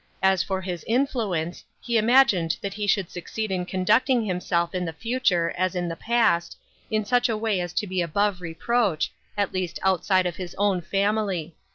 As for his influence, he imagined that he should succeed in conducting himself in the future as in the past, in such a way as to be above reproach, at least outside of his own family.